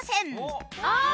ああ！